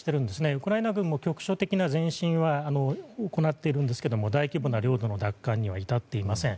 ウクライナ軍も局所的な前進は行っているんですが大規模な領土の奪還には至っていません。